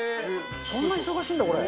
そんな忙しいんだこれ。